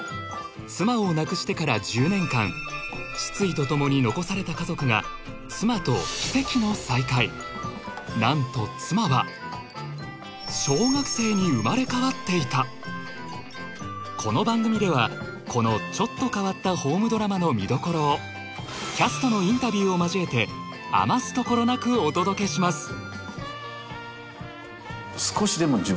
妻を亡くしてから１０年間失意と共に残された家族が妻と奇跡の再会何と妻は小学生に生まれ変わっていたこの番組ではこのちょっと変わったホームドラマの見どころをキャストのインタビューを交えて余すところなくお届けします